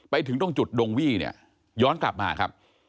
ไปถึงตรงจุดดงวี่เนี่ยย้อนกลับมาครับ